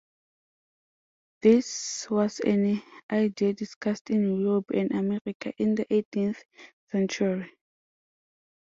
This was an idea discussed in Europe and America in the eighteenth century.